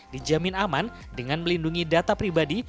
dijamin aman dengan melindungi data pribadi